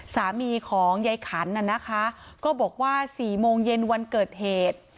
สามีของยายขันน่ะนะคะก็บอกว่า๔โมงเย็นวันเกิดเหตุ